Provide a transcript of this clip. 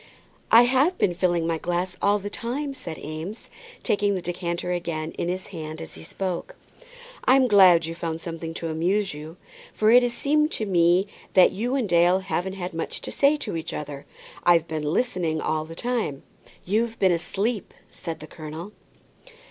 "I have been filling my glass all the time," said Eames, taking the decanter again in his hand as he spoke. "I'm glad you've found something to amuse you, for it has seemed to me that you and Dale haven't had much to say to each other. I've been listening all the time." "You've been asleep," said the colonel.